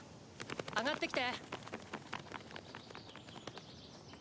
上がってきて。